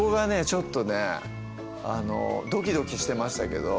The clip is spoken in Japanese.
ちょっとねドキドキしてましたけど。